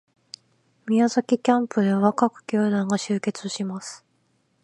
宮崎キャンプでは各球団が集結します